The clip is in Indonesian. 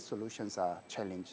solusi it adalah tantangan